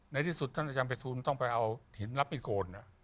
ในที่สุดท่านอาจารย์ภัยทูลต้องไปเอาหินรับมิโกนเนี่ย